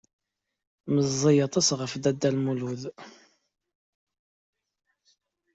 Meẓẓiy aṭas ɣef Dda Lmulud.